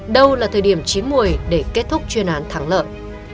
đâu là thời điểm chín mùi để kết thúc chuyên án thắng lợi